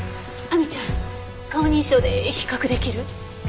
亜美ちゃん顔認証で比較できる？